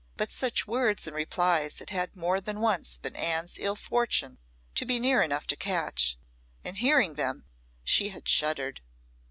But such words and replies it had more than once been Anne's ill fortune to be near enough to catch, and hearing them she had shuddered.